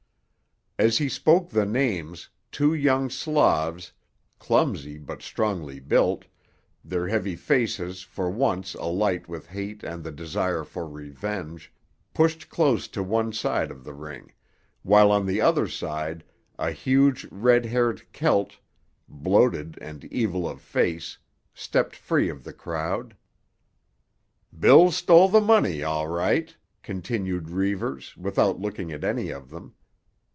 As he spoke the names two young Slavs, clumsy but strongly built, their heavy faces for once alight with hate and desire for revenge, pushed close to one side of the ring, while on the other side a huge red haired Celt, bloated and evil of face, stepped free of the crowd. "Bill stole the money, all right," continued Reivers, without looking at any of them.